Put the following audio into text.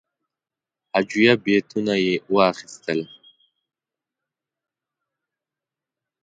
هجویه بیتونه یې واخیستل.